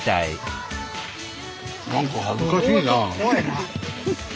何か恥ずかしいな。